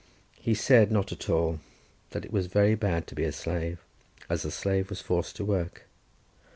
He said not at all; that it was very bad to be a slave, as a slave was forced to work.